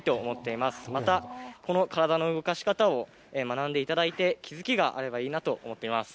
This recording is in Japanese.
またこの体の動かし方を学んでいただいて気付きがあればいいなと思っています。